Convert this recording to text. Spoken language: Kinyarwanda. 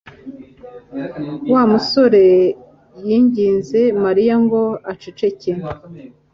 wa musore yinginze Mariya ngo aceceke.